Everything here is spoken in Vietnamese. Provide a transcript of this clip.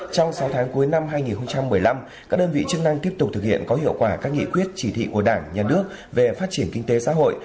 trong sáu tháng cuối năm hai nghìn một mươi năm các đơn vị chức năng tiếp tục thực hiện có hiệu quả các nghị quyết chỉ thị của đảng nhà nước về phát triển kinh tế xã hội